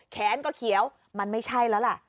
แขนก็เขียวมันไม่ใช่แล้วล่ะ